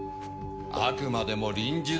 あくまでも臨時だ。